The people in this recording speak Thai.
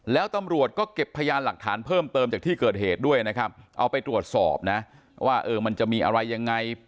แล้วตำรวจก็เก็บพยานหลักฐานเพิ่มเติมจากที่เกิดเหตุด้วยนะครับเอาไปตรวจสอบนะว่าเออมันจะมีอะไรยังไง